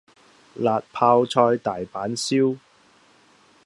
辣泡菜大阪燒